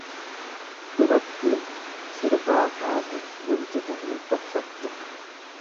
Dubartiin sirbaa kaate guntuta hin dhokfattu.